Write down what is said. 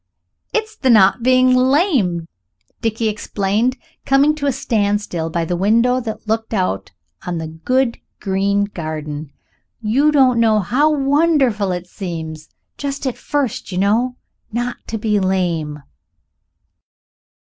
"It's the not being lame," Dickie explained, coming to a standstill by the window that looked out on the good green garden. "You don't know how wonderful it seems, just at first, you know, not to be lame."